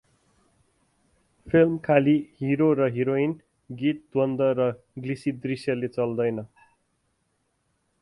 Film खालि hero र heroine गीत द्वन्द्व र ग्लसी दृश्यले चल्दैन ।